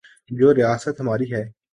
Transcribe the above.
جو ریاست ہماری ہے۔